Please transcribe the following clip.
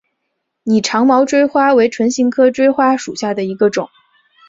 拟长毛锥花为唇形科锥花属下的一个种。